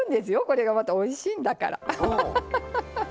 これがまたおいしいんだから。